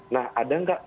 nah ada nggak